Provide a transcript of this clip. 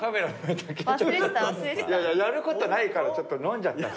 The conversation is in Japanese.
やることないからちょっと飲んじゃった。